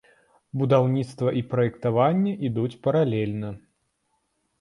Будаўніцтва і праектаванне ідуць паралельна.